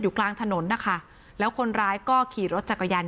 กลางถนนนะคะแล้วคนร้ายก็ขี่รถจักรยาน